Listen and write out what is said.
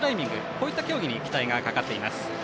こういった競技に期待がかかっています。